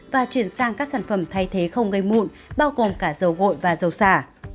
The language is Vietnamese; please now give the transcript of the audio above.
và chuyển sang các sản phẩm thay thế không gây mụn bao gồm cả dầu gội và dầu xả